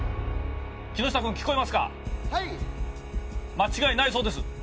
間違いないそうです。